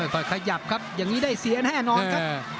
ค่อยขยับครับอย่างนี้ได้เสียแน่นอนครับ